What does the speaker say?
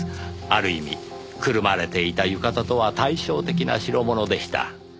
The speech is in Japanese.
ある意味くるまれていた浴衣とは対照的な代物でした。